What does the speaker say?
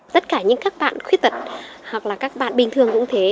tất cả những các bạn khuyết tật hoặc là các bạn bình thường cũng thế